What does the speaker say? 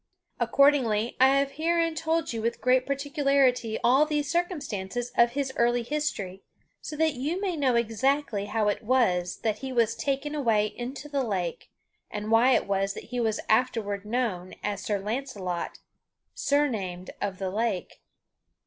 Accordingly, I have herein told you with great particularity all these circumstances of his early history so that you may know exactly how it was that he was taken away into the lake, and why it was that he was afterward known as Sir Launcelot, surnamed of the Lake.